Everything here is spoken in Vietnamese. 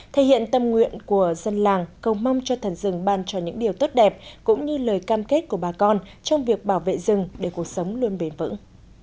thể hiện tâm nguyện của dân làng cầu mong cho thần rừng ban cho những điều tốt đẹp cũng như lời cam kết của bà con trong việc bảo vệ rừng để cuộc sống luôn bền vững